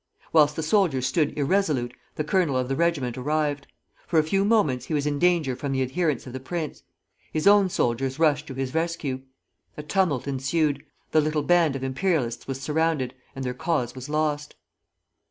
Whilst the soldiers stood irresolute, the colonel of the regiment arrived. For a few moments he was in danger from the adherents of the prince. His own soldiers rushed to his rescue. A tumult ensued. The little band of Imperialists was surrounded, and their cause was lost.